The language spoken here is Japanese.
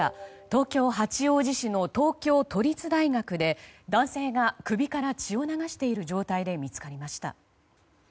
東京・八王子市の東京都立大学で男性が首から血を流している状態で見つかりました。